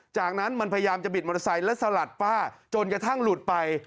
จากนั้นมันพยายามจะบิดมอเตอร์ไซค์และสลัดป้าจนกระทั่งหลุดไป